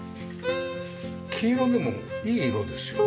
黄色でもいい色ですよね。